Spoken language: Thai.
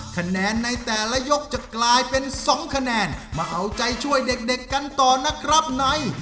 คะแนนในแต่ละยกจะกลายเป็น๒คะแนนมาเอาใจช่วยเด็กกันต่อนะครับใน